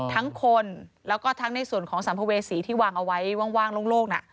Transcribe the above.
ทั้งคนแล้วก็ทั้งในส่วนของสัมภเวษีที่วางเอาไว้ว่างโล่งน่ะ